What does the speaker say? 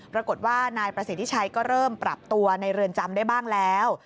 ปรากฏว่านายประสิทธิชัยก็เริ่มปรับตัวในเรือนจำได้บ้างแล้ว